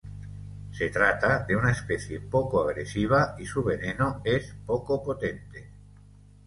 Se trata de una especie poco agresiva y su veneno es poco potente.